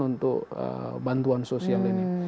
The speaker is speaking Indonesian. untuk bantuan sosial ini